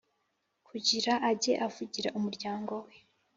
kugirango ajye avugira umuryango we,